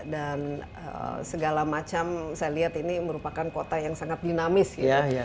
dan segala macam saya lihat ini merupakan kota yang sangat dinamis gitu